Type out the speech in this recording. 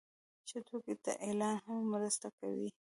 ښه توکي ته اعلان هم مرسته کوي.